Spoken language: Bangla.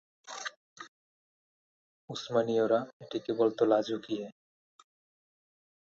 উসমানীয়রা এটিকে বলত লাজকিয়ে।